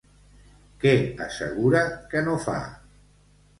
Què assegura que no fa?